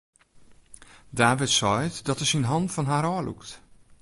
David seit dat er syn hannen fan har ôflûkt.